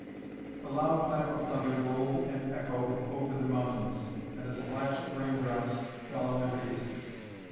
A loud clap of thunder rolled and echoed over the mountains, and a splash of raindrops fell on their faces.